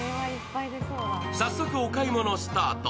早速お買い物スタート。